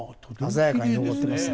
鮮やかに残ってます。